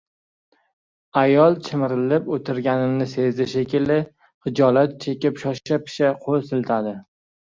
Ayol chimirilib o‘tirganimni sezdi shekilli, xijolat chekib shosha-pisha qo’l siltadi.